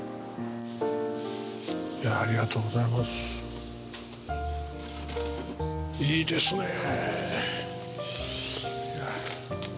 いやありがとうございますいいですねぇ